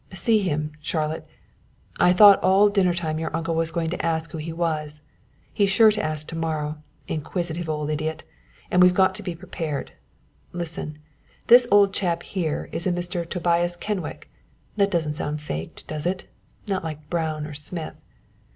"See him, Charlotte; I thought all dinner time your uncle was going to ask who he was. He's sure to ask to morrow, inquisitive old idiot, and we've got to be prepared. Listen. This old chap here is a Mr. Tobias Kenwick that doesn't sound faked, does it? not like Brown or Smith.